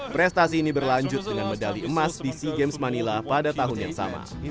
prestasi ini berlanjut dengan medali emas di sea games manila pada tahun yang sama